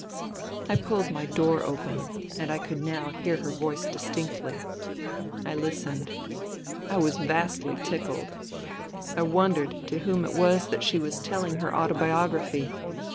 I pulled my door open and I could now hear her voice distinctly. I listened. I was vastly tickled. I wondered to whom it was that she was telling her autobiography.